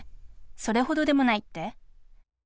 それほどでもないって？